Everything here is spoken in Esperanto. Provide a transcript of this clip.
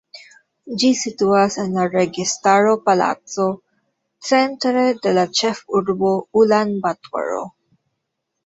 Ĝi situas en la Registaro Palaco centre de la ĉefurbo Ulan-Batoro.